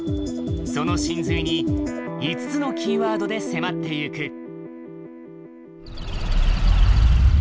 その神髄に５つのキーワードで迫っていく。